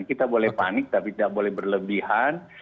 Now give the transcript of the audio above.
kita boleh panik tapi tidak boleh berlebihan